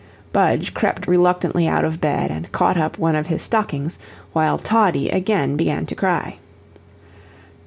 Budge crept reluctantly out of bed and caught up one of his stockings, while Toddie again began to cry.